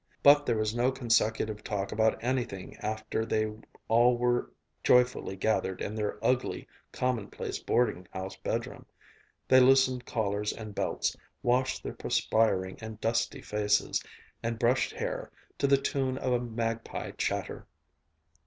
But there was no consecutive talk about anything after they all were joyfully gathered in their ugly, commonplace boarding house bedroom. They loosened collars and belts, washed their perspiring and dusty faces, and brushed hair, to the tune of a magpie chatter.